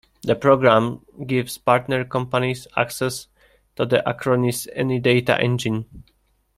The program gives partner companies access to the Acronis AnyData Engine.